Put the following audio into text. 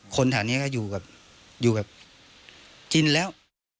คนแถวนี้ก็อยู่แบบจิ้นแล้ว